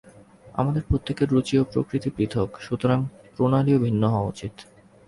আমাদের প্রত্যেকের রুচি ও প্রকৃতি পৃথক্, সুতরাং প্রণালীও ভিন্ন হওয়া উচিত।